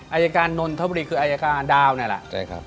อายการนนทบุรีคืออายการดาวน์นี่แหละใช่ครับ